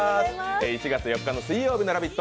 １月４日水曜日の「ラヴィット！」